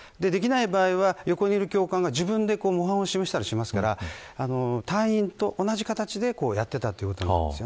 できない場合は横にいる教官が自分で模範を示したりしますから隊員と同じ形でやっていたということなんです。